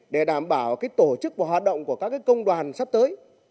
để đảm bảo tổ chức và hoạt động của các công đoàn sắp tới